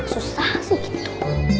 susah sih gitu